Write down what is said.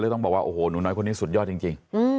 ต้องบอกว่าโอ้โหหนูน้อยคนนี้สุดยอดจริง